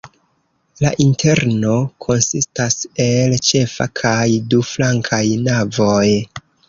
La interno konsistas el ĉefa kaj du flankaj navoj.